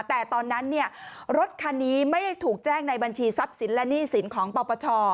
แต่ตอนนั้นรถคันนี้ไม่ได้ถูกแจ้งในบัญชีทรัพย์สินและหนี้สินของปปช